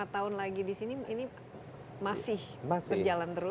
lima tahun lagi di sini ini masih berjalan terus